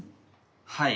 はい。